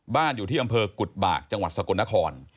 อยู่ที่อำเภอกุฎบากจังหวัดสกลนคร